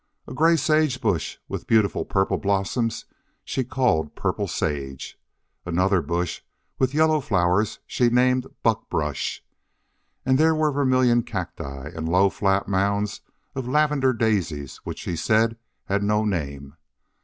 A gray sage bush with beautiful purple blossoms she called purple sage; another bush with yellow flowers she named buck brush, and there were vermilion cacti and low, flat mounds of lavender daisies which she said had no name.